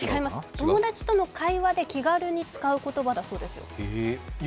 友達との会話で気軽に使う言葉だそうです。